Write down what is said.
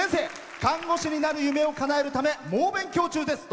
看護師になる夢をかなえるため猛勉強中です。